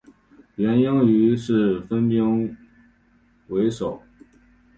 元英于是分兵围守。